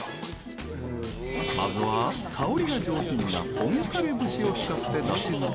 まずは、香りが上品な本枯節を使って、だし作り。